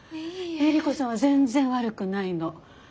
エリコさんは全然悪くないの。